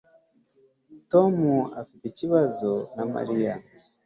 Tom afite ikibazo na Mariya